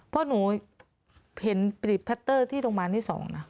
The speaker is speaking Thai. เพราะหนูเห็นปฏิแผลที่โรงพยาบาลที่สอง